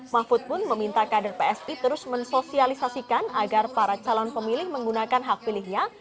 mahfud pun meminta kader psi terus mensosialisasikan agar para calon pemilih menggunakan hak pilihnya